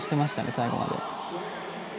最後まで。